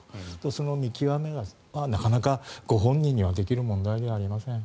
その見極めがなかなかご本人にできる問題ではありません。